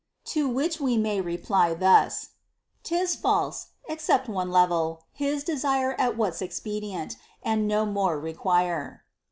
To which we may reply thus : 'Tis false ; except one level his desire At what's expedient, and no more require.